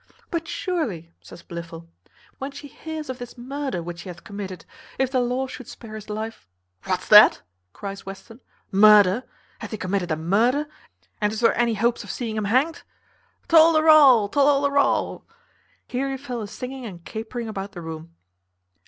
"But surely," says Blifil, "when she hears of this murder which he hath committed, if the law should spare his life " "What's that?" cries Western. "Murder! hath he committed a murder, and is there any hopes of seeing him hanged? Tol de rol, tol lol de rol." Here he fell a singing and capering about the room.